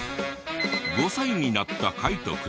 ５歳になった翔大君。